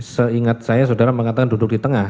seingat saya saudara mengatakan duduknya di mana